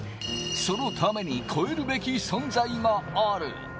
そのために越えるべき存在がある。